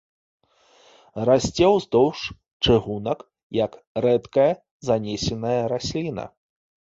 Расце ўздоўж чыгунак як рэдкая занесеная расліна.